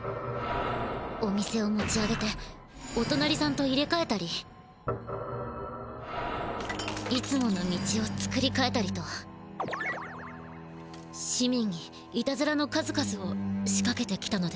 お店を持ち上げておとなりさんと入れかえたりいつもの道をつくりかえたりと市みんにいたずらの数々を仕かけてきたのです。